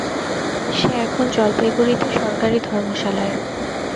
সে এখন জলপাইগুড়িতে সরকারি ধর্মশালায়।